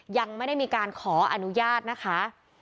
ยังไม่ได้มีการขออนุญาตนะคะ